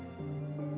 aku mau makan